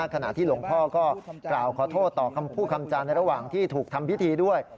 ขณะที่หลวงพ่อก็กล่าวขอโทษต่อคำพูดคำจานในระหว่างที่ถูกทำพิธีด้วย